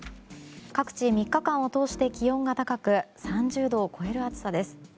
各地、３日間を通して気温が高く３０度を超える暑さです。